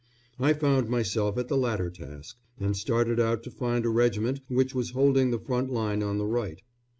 I found myself at the latter task, and started out to find a regiment which was holding the front line on the right.